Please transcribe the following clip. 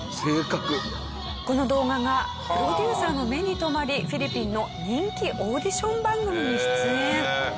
この動画がプロデューサーの目に留まりフィリピンの人気オーディション番組に出演。